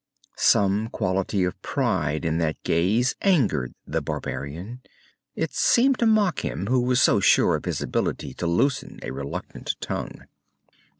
Some quality of pride in that gaze angered the barbarian. It seemed to mock him, who was so sure of his ability to loosen a reluctant tongue.